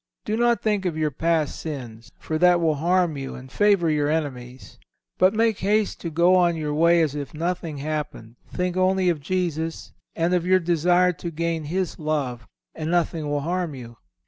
Do not think of your past sins, for that will harm you and favour your enemies; but make haste to go on your way as if nothing happened. Think only of Jesus, and of your desire to gain His love, and nothing will harm you.